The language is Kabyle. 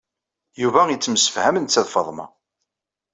Yuba yettemsefham d Nna Faḍma.